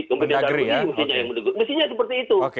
kementerian dalam negeri yang menegur mestinya seperti itu